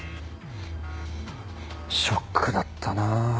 ショックだったな。